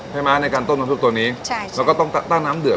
ม้าในการต้มน้ำซุปตัวนี้ใช่ค่ะแล้วก็ต้องตั้งน้ำเดือด